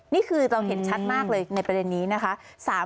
นี่คือเราเห็นชัดมากเลยในประเด็นนี้นะคะ